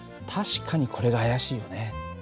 確かにこれが怪しいよね。